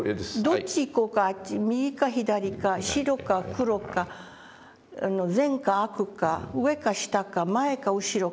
どっち行こうかあっち右か左か白か黒か善か悪か上か下か前か後ろか。